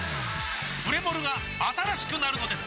プレモルが新しくなるのです！